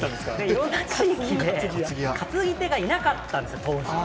いろんな地域で、担ぎ手がいなかったんです、当時。